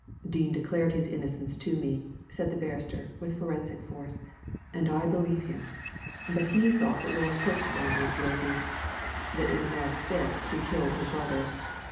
"Dean declared his innocence to me," said the barrister, with forensic force, "and I believed him. But he thought that Laura Kirkstone was guilty — that in a mad fit she killed her brother.